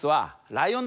ライオン。